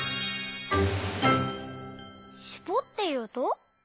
「しぼっていうと」？